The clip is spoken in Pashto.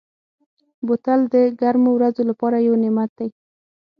بوتل د ګرمو ورځو لپاره یو نعمت دی.